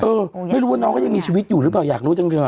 ไม่รู้ว่าน้องเขายังมีชีวิตอยู่หรือเปล่าอยากรู้จังเลย